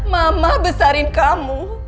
mama besarin kamu